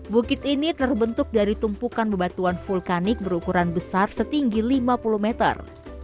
bukit ini terbentuk dari tumpukan bebatuan vulkanik berukuran besar setinggi lima puluh meter